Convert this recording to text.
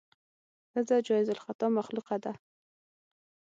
ښځه جایز الخطا مخلوقه ده.